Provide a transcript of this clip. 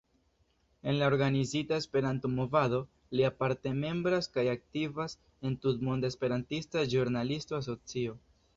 En la organizita Esperanto-movado, li aparte membras kaj aktivas en Tutmonda Esperantista Ĵurnalista Asocio.